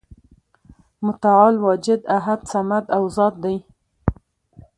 متعال واجد، احد، صمد او ذات دی ،